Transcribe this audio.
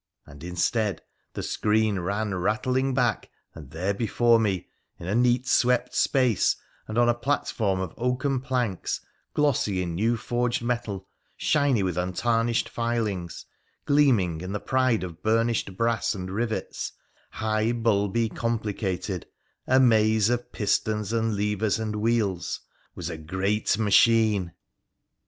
And, instead, the screen ran rattling back, and there before me, in a neat swept space, and on a platform of oaken planks — glossy in new forged metal, shiny with untarnished filings, gleaming in the pride of burnished brass and rivets — high, bulby, com plicated, a maze of pistons and levers and wheels, was a great machine.